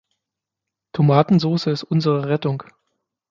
Tomatensoße ist unsere Rettung!